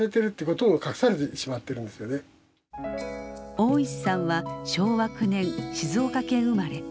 大石さんは昭和９年静岡県生まれ。